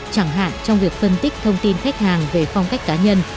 chẳng hạn trong việc phân tích thông tin khách hàng về phong cách cá nhân